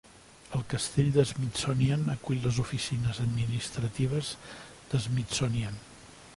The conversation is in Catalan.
El castell de Smithsonian acull les oficines administratives de Smithsonian.